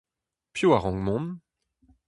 Piv a rank mont ?